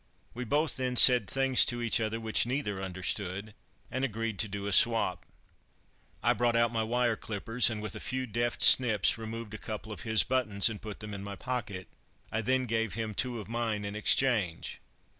We both then said things to each other which neither understood, and agreed to do a swap. I brought out my wire clippers and, with a few deft snips, removed a couple of his buttons and put them in my pocket. I then gave him two of mine in exchange.